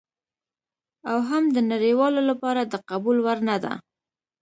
او هم د نړیوالو لپاره د قبول وړ نه ده.